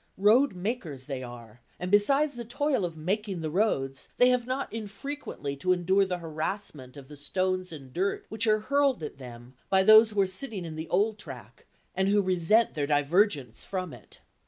Roadmakers they are, and besides the toil of making the roads, they have not infrequently to endure the harassment of the stones and dirt which are hurled at them by those who are sitting in the old track, and who resent their divergence from it.